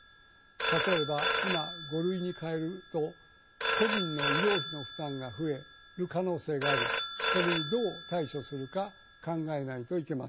例えば今「５類」に変えると個人の医療費の負担が増える可能性がありこれにどう対処するか考えないといけません。